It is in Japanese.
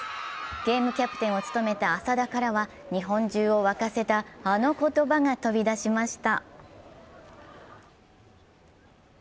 ゲームキャプテンを務めた浅田からは日本中を沸かせたあの言葉が飛び出しました。